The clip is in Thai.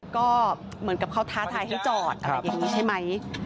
ก็เหมือนกับเขาท้าทายให้จอดอะไรอย่างนี้ใช่ไหม